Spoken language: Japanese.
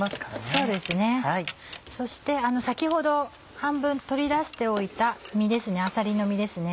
そうですねそして先ほど半分取り出しておいたあさりの身ですね。